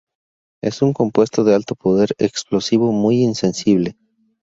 Es un compuesto de alto poder explosivo muy insensible.